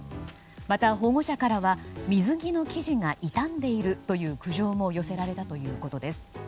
また保護者からは水着の生地が傷んでいるという苦情も寄せられたということです。